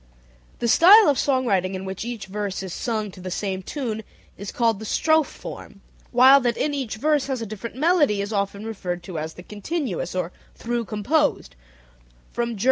The style of song writing in which each verse is sung to the same tune is called the "strophe form," while that in which each verse has a different melody is often referred to as the "continuous" or "through composed" form (Ger.